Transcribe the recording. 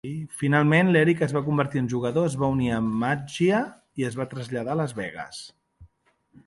Finalment l'Eric es va convertir en jugador, es va unir a Maggia i es va traslladar a Las Vegas.